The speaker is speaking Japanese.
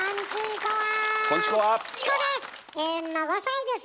チコです！